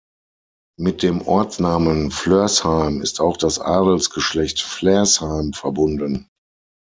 Mit dem Ortsnamen Flörsheim ist auch das Adelsgeschlecht Flersheim verbunden.